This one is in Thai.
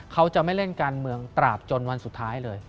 เขาจะไม่เล่นการเมืองตราบจนวันสุดท้ายเลย